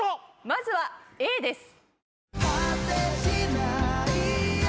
まずはＡです。